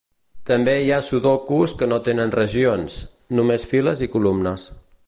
També hi ha sudokus que no tenen regions: només files i columnes.